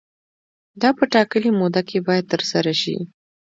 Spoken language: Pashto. دا په ټاکلې موده کې باید ترسره شي.